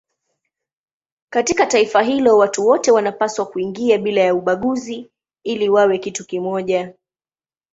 Katika taifa hilo watu wote wanapaswa kuingia bila ya ubaguzi ili wawe kitu kimoja.